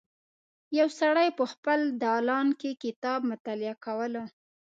یو سړی په خپل دالان کې کتاب مطالعه کوله.